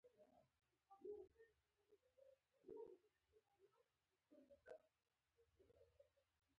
هغوی د لمحه لاندې د راتلونکي خوبونه یوځای هم وویشل.